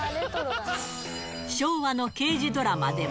昭和の刑事ドラマでも。